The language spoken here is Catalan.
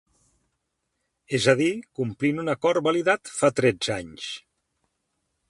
És a dir, complint un acord validat fa tretze anys.